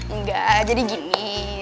enggak jadi gini